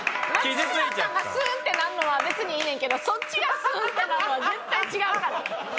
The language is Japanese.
松村さんがスンってなるのは別にいいねんけどそっちがスンってなるのは絶対違うから。